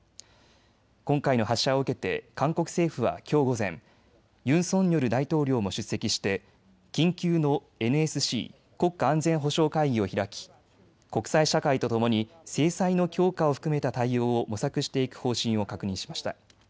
今回の発射を受けて韓国政府はきょう午前、ユン・ソンニョル大統領も出席して緊急のＮＳＣ・国家安全保障会議を開き国際社会とともに制裁の強化を含めた対応を模索していく方針を確認しました。